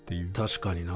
確かにな。